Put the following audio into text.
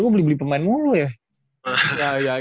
gue beli beli pemain mulu ya